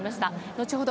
後ほど